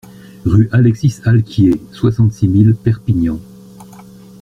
Rue Alexis Alquier, soixante-six mille Perpignan